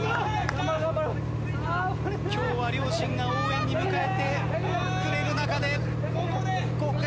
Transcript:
今日は両親が応援に迎えてくれる中でここで。